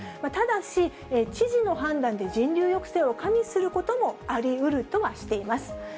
ただし、知事の判断で人流抑制を加味することもありうるとはしています。